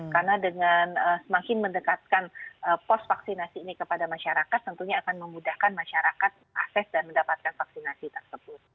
karena dengan semakin mendekatkan pos vaksinasi ini kepada masyarakat tentunya akan memudahkan masyarakat akses dan mendapatkan vaksinasi tersebut